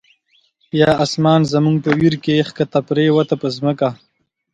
یا آسمان زموږ په ویر کی، ښکته پر یووته په ځمکه